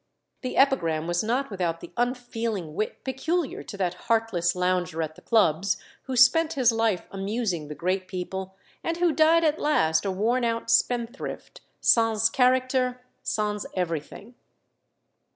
The epigram was not without the unfeeling wit peculiar to that heartless lounger at the clubs, who spent his life amusing the great people, and who died at last a worn out spendthrift, sans character, sans everything.